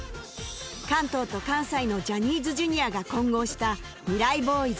関東と関西のジャニーズ Ｊｒ． が混合したミライ Ｂｏｙｓ